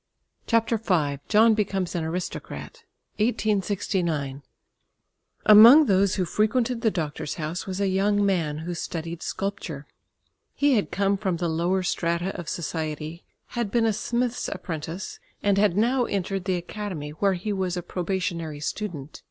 CHAPTER V JOHN BECOMES AN ARISTOCRAT (1869) Among those who frequented the doctor's house was a young man who studied sculpture. He had come from the lower strata of society, had been a smith's apprentice, and had now entered the Academy, where he was a probationary student.